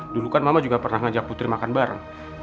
dulu kan mama juga pernah ngajak putri makan bareng